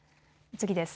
次です。